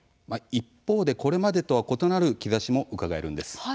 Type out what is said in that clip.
一方で、これまでとは異なる兆しもうかがえるんです。